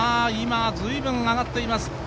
今、随分上がっています。